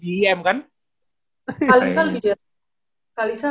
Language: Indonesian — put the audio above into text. kalisa lebih kalisa lebih apa namanya lebih tua